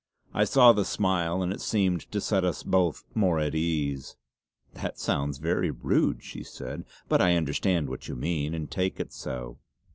I saw the smile, and it seemed to set us both more at ease. "That sounds very rude," she said "but I understand what you mean, and take it so."